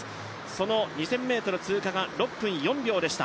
その２０００ｍ通過が６分４秒でした。